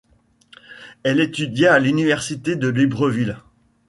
Elle étudia à l'Université de Libreville.